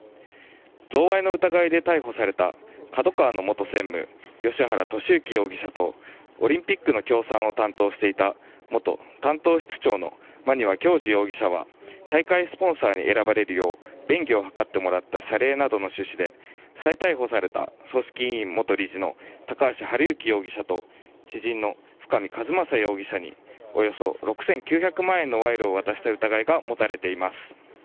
贈賄の疑いで逮捕されたＫＡＤＯＫＡＷＡの元専務芳原世幸容疑者とオリンピックの協賛を担当していた、元担当室長の馬庭教二容疑者は大会スポンサーに選ばれるよう便宜を図ってもらった謝礼などの趣旨で再逮捕された組織委元理事の高橋治之容疑者と知人の深見和政容疑者におよそ６９００万円の賄賂を渡した疑いが持たれています。